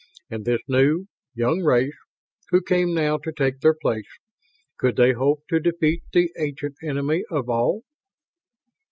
And this new, young race who came now to take their place could they hope to defeat the ancient Enemy of All?